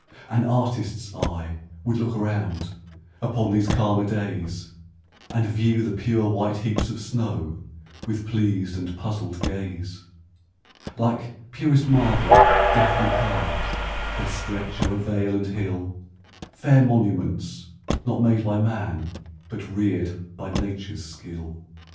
An artist's eye would look around, Upon these calmer days, And view the pure white heaps of snow, With pleas'd and puzzl'd gaze. Like purest marble, deftly carv'd, They stretch o'er vale and hill, Fair monuments, not made by man, But rear'd by nature's skill.